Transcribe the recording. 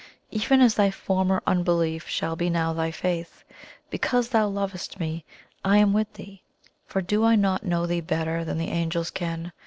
Even as thy former unbelief, shall be now thy faith. Because thou lovest Me, I am with thee. For do I not know thee better than the Angels can?